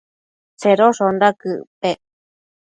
Tsedoshonda quëc pec?